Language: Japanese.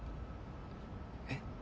えっ？